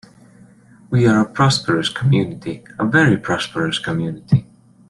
We are a prosperous community, a very prosperous community.